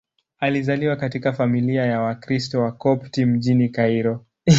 Alizaliwa katika familia ya Wakristo Wakopti mjini Kairo.